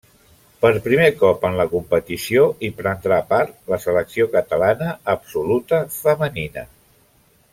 Per primer cop en la competició hi prendrà part la selecció catalana absoluta femenina.